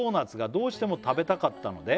「どうしても食べたかったので」